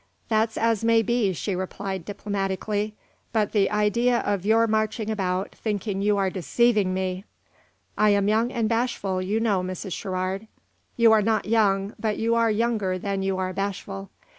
"That's as may be," she replied, diplomatically; "but the idea of your marching about, thinking you are deceiving me!" "I am young and bashful, you know, Mrs. Sherrard." "You are not young, but you are younger than you are bashful.